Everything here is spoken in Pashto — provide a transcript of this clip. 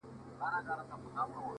زه يې د نوم تر يوه ټكي صدقه نه سومه-